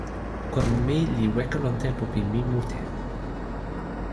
kon mi li weka lon tenpo pi mi mute.